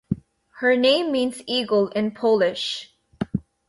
Her name means "Eagle" in Polish.